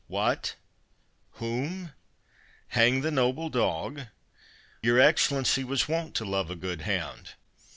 "What—whom—hang the noble dog? Your Excellency was wont to love a good hound?"